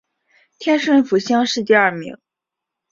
顺天府乡试第二名。